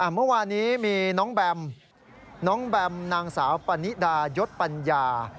เมื่อวานนี้มีน้องแบมน้องแบมนางสาวปานิดายศปัญญา